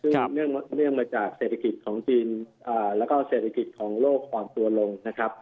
ซึ่งเนื่องมาจากเศรษฐกิจของจีนและเศรษฐกิจของโลกความตัวลง